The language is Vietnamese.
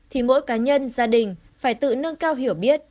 thì mỗi cá nhân gia đình phải tự nâng cao hiểu biết